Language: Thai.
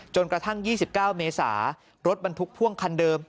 กระทั่ง๒๙เมษารถบรรทุกพ่วงคันเดิม